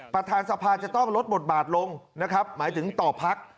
ประธานสภาจะต้องลดบทบาทลงหมายถึงต่อภักดิ์